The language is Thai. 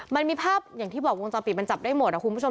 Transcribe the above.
มันมีภาพอย่างที่บอกวงจอปิดมันจับได้หมดคุณผู้ชม